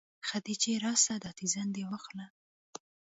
خديجې راسه دا تيزن دې واخله.